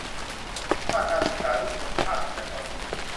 ภาคการศึกษาชุมชนภาคเอกชน